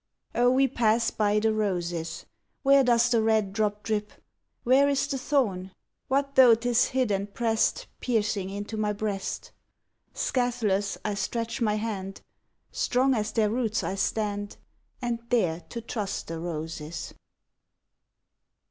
Oh, we pass by the roses! Where does the red drop drip? Where is the thorn? What though 'tis hid and pressed Piercing into my breast? Scathless, I stretch my hand; Strong as their roots I stand, And dare to trust the roses.